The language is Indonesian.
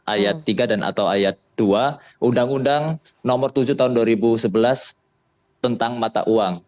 ayat tiga dan atau ayat dua undang undang nomor tujuh tahun dua ribu sebelas tentang mata uang